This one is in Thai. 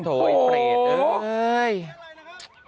โธ่ไอ้เตรด